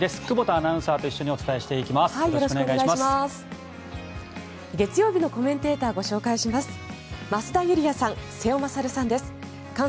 久保田アナウンサーと一緒にお伝えしていきます。